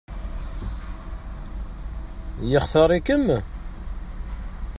Yextaṛ-ikem?